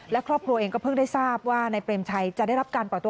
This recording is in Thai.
และครอบครัวเองก็เพิ่งได้ทราบว่านายเปรมชัยจะได้รับการปล่อยตัว